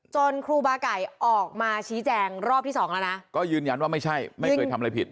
ครูบาไก่ออกมาชี้แจงรอบที่สองแล้วนะก็ยืนยันว่าไม่ใช่ไม่เคยทำอะไรผิด